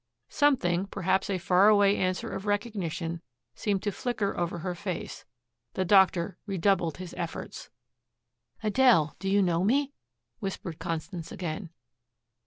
Something, perhaps a far away answer of recognition, seemed to flicker over her face. The doctor redoubled his efforts. "Adele do you know me?" whispered Constance again.